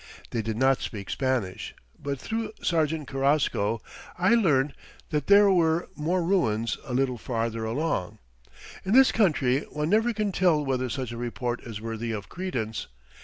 They did not speak Spanish, but through Sergeant Carrasco I learned that there were more ruins "a little farther along." In this country one never can tell whether such a report is worthy of credence.